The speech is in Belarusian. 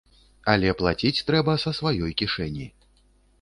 Але плаціць трэба са сваёй кішэні.